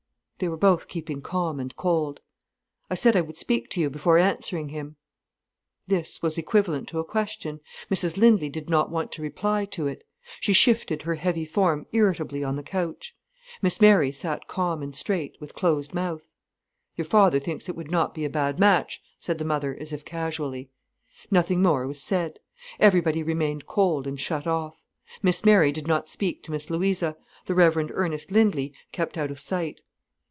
They were both keeping calm and cold. "I said I would speak to you before answering him." This was equivalent to a question. Mrs Lindley did not want to reply to it. She shifted her heavy form irritably on the couch. Miss Mary sat calm and straight, with closed mouth. "Your father thinks it would not be a bad match," said the mother, as if casually. Nothing more was said. Everybody remained cold and shut off. Miss Mary did not speak to Miss Louisa, the Reverend Ernest Lindley kept out of sight.